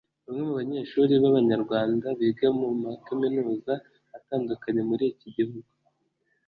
Bamwe mu banyeshuri b’abanyarwanda biga mu makaminuza atandukanye muri iki gihugu